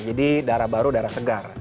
jadi darah baru darah segar